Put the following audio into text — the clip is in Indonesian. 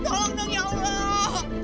tolong dong ya allah